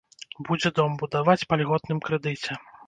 Будзе дом будаваць па льготным крэдыце.